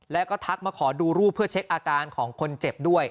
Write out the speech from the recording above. แล้วก็ทักมาขอดูรูปเพื่อเช็คอาการของคนเจ็บด้วย